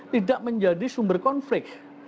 tidak menjadi sumber konflik